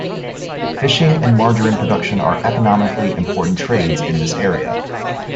Fishing and margarine production are economically important trades in this area.